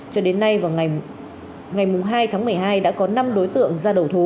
cho đến nay vào ngày hai tháng một mươi hai đã có năm đối tượng